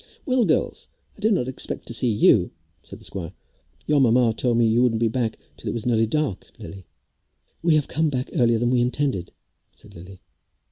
"Well, girls, I did not expect to see you," said the squire; "your mamma told me you wouldn't be back till it was nearly dark, Lily." "We have come back earlier than we intended," said Lily.